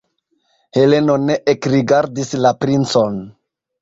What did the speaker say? Heleno ne ekrigardis la princon.